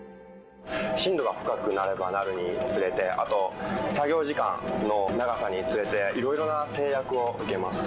深度が深くなればなるにつれて、あと作業時間の長さにつれて、いろいろな制約を受けます。